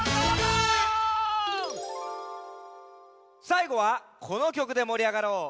さいごはこの曲でもりあがろう。